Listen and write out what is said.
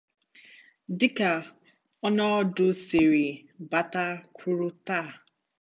dịka ọnọdụ siri gbata kwụrụ taa